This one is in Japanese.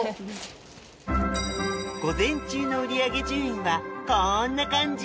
午前中の売り上げ順位はこんな感じ！